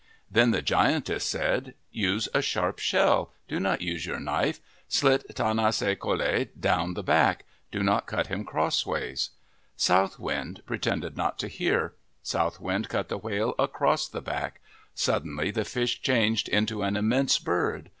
Then the giantess said, " Use a sharp shell. Do not use your knife. Slit tanas eh ko le down the back. Do not cut him crossways." South Wind pretended not to hear. South Wind cut the whale across the back. Suddenly the fish changed into an immense bird.